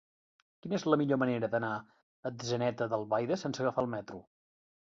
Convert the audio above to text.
Quina és la millor manera d'anar a Atzeneta d'Albaida sense agafar el metro?